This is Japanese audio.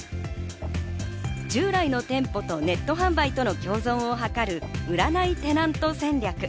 従来の店舗とネット販売との共存を図る、売らないテナント戦略。